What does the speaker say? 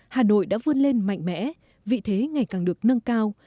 hà nội đã vươn lên mạnh mẽ vị thế ngày càng được nâng cao